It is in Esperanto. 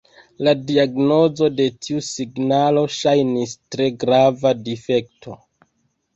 La diagnozo de tiu signalo ŝajnis tre grava difekto.